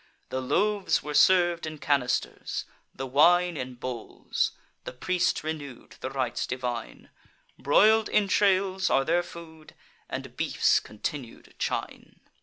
The loaves were serv'd in canisters; the wine In bowls; the priest renew'd the rites divine: Broil'd entrails are their food, and beef's continued chine.